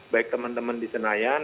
baik teman teman di senayan